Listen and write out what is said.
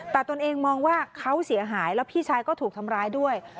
แต่ตนเองมองว่าเขาเสียหายแล้วพี่ชายก็ถูกทำร้ายด้วย